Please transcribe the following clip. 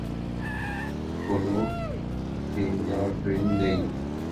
কোনো ফিঙ্গারপ্রিন্ট নেই।